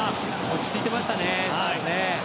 落ち着いてましたね最後。